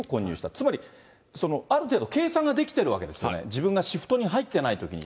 つまり、ある程度、計算ができてるわけですよね、自分がシフトに入ってないときに。